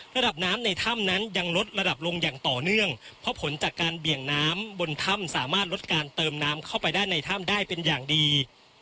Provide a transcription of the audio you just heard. ระดับน้ำในถ้ำนั้นยังลดระดับลงอย่างต่อเนื่องเพราะผลจากการเบี่ยงน้ำบนถ้ำสามารถลดการเติมน้ำเข้าไปด้านในถ้ำได้เป็นอย่างดี